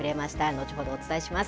後ほどお伝えします。